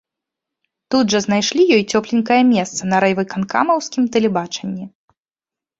Тут жа знайшлі ёй цёпленькае месца на райвыканкамаўскім тэлебачанні.